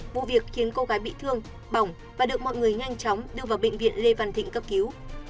vụ việc khiến cô gái bị thương bỏng và được mọi người nhanh chóng đưa vào bệnh viện lê văn thịnh cấp cứu